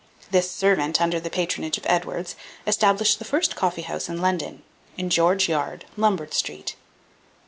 This servant, under the patronage of Edwards, established the first coffee house in London, in George Yard, Lombard Street.